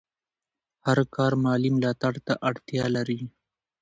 هر کار مالي ملاتړ ته اړتیا لري.